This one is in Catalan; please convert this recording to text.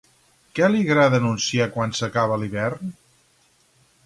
Què li agrada anunciar quan s'acaba l'hivern?